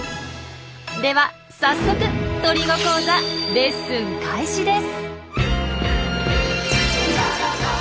では早速鳥語講座レッスン開始です！